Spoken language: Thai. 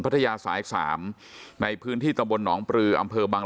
พัทยาสาย๓ในพื้นที่ตำบลหนองปลืออำเภอบัง